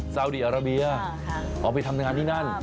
สาวดีอาราเบียออกไปทำงานที่นั่น